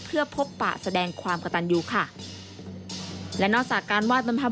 เพื่อพบปะแสดงความกระตันอยู่ค่ะและนอกจากการวาดบรรพับ